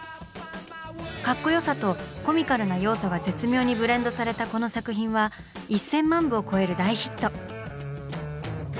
カッコよさとコミカルな要素が絶妙にブレンドされたこの作品は１千万部を超える大ヒット。